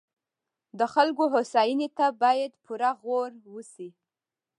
د خلکو هوساینې ته باید پوره غور وشي.